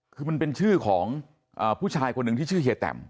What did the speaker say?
คือมันเป็นชื่อของผู้ชายคนหนึ่งที่ชื่อเฮียแตม